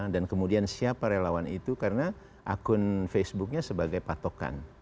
dan kemudian siapa relawan itu karena akun facebooknya sebagai patokan